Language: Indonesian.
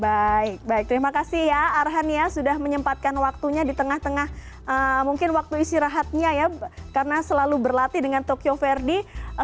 baik baik terima kasih ya arhan ya sudah menyempatkan waktunya di tengah tengah mungkin waktu istirahatnya ya karena selalu berlatih dengan tokyo verde